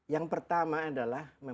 yang pertama adalah